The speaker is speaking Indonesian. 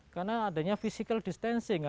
karena adanya physical distancing